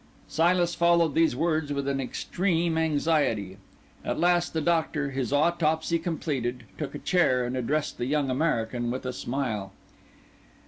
Silas followed these words with an extreme anxiety. At last the Doctor, his autopsy completed, took a chair and addressed the young American with a smile.